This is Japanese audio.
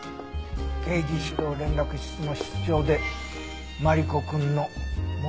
刑事指導連絡室の室長でマリコくんの元ダン。